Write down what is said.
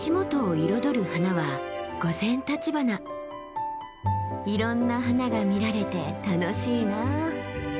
いろんな花が見られて楽しいな。